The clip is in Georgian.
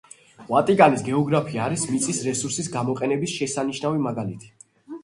ვატიკანის გეოგრაფია არის მიწის რესურსის გამოყენების შესანიშნავი მაგალითი.